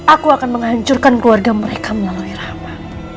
aku akan menghancurkan keluarga mereka melalui rama